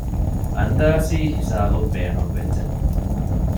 އަންދާސީ ހިސަބު ބޭނުންވެއްޖެ